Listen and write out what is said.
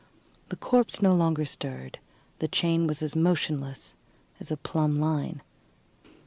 The corpse no longer stirred; the chain was as motionless as a plumb line.